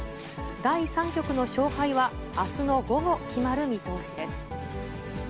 第３局の勝敗は、あすの午後、決まる見通しです。